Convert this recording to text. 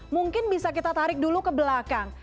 mungkin bisa kita tarik dulu ke belakang